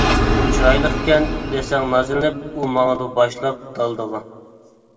«چىرايلىقكەن» دېسەڭ نازلىنىپ، ئۇ ماڭىدۇ باشلاپ دالدىغا.